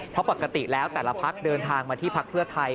เพราะปกติแล้วแต่ละพักเดินทางมาที่พักเพื่อไทย